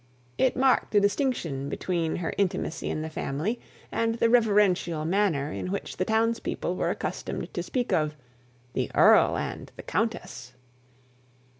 It marked a distinction between her intimacy in the family, and the reverential manner in which the townspeople were accustomed to speak of "the earl and the countess."